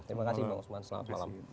terima kasih bang usman selamat malam